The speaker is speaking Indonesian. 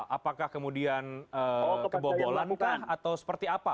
apakah kemudian kebobolan kah atau seperti apa